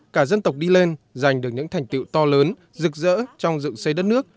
cả dân tộc đi lên giành được những thành tiệu to lớn rực rỡ trong dựng xây đất nước